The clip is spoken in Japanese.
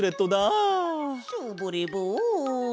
ショボレボン！